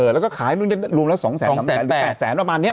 แล้วก็ขายรวมแล้ว๒แสนหรือ๘แสนประมาณนี้